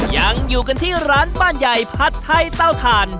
ยังอยู่กันที่ร้านบ้านใหญ่ผัดไทยเต้าถ่าน